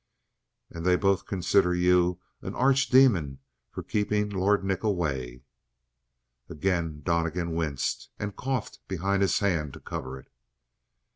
"And they both consider you an archdemon for keeping Lord Nick away!" Again Donnegan winced, and coughed behind his hand to cover it.